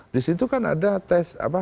di situ kan ada tes apa